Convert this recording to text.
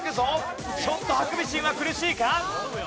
ちょっとハクビシンは苦しいか？